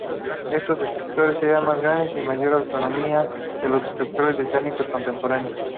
Estos destructores eran más grandes y de mayor autonomía que los destructores británicos contemporáneos.